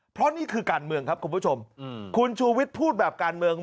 เพราะนี่คือการเมืองครับคุณผู้ชมคุณชูวิทย์พูดแบบการเมือง